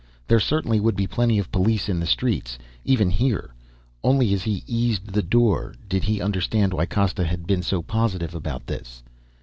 There certainly would be plenty of police in the streets, even here. Only as he eased the door did he understand why Costa had been so positive about this.